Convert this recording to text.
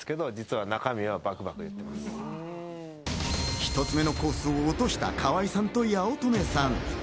１つ目のコースを落とした河合さんと八乙女さん。